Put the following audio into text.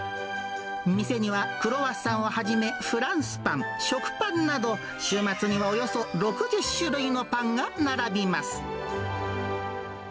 店にはクロワッサンをはじめ、フランスパン、食パンなど、週末にはおよそ６０種類のパンが並びます。